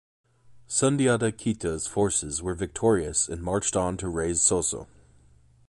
Sundiata Keita's forces were victorious, and marched on to raze Sosso.